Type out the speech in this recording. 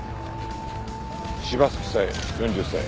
柴崎佐江４０歳。